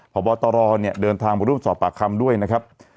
พ่อบอตรเดินทางมาร่วมสอบปากคำด้วยนะครับ